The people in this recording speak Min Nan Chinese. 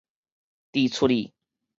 佇厝裡